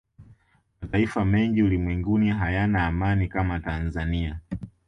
mataifa mengi ulimwenguni hayana amani kama tanzania